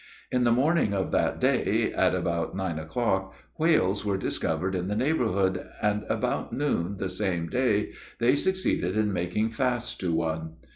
In the morning of that day, at about nine o'clock, whales were discovered in the neighborhood, and about noon, the same day, they succeeded in making fast to one.